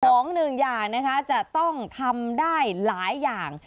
ของหนึ่งอย่างนะคะจะต้องทำได้หลายอย่าง